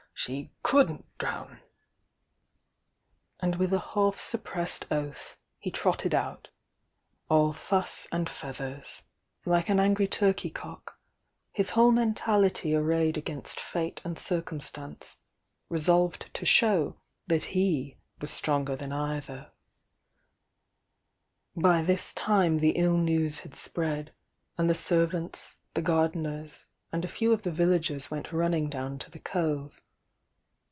she couldntdTowa\ And with a half suppressed oa^.^^V *ni M^ all fuss and feathers, like an angry turkey cock, his whole mentality arr'ayed against fate and circum stance, resolved to show that he was stronger than " Bv this time the ill news had spread, and the serv ante!ti^e gardeners, and a few of the villagers went running down to th. cove.